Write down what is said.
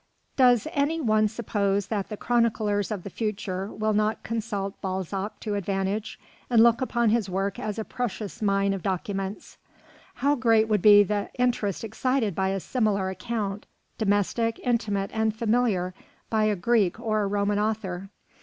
Does any one suppose that the chroniclers of the future will not consult Balzac to advantage, and look upon his work as a precious mine of documents? How great would be the interest excited by a similar account, domestic, intimate and familiar, by a Greek or a Roman author?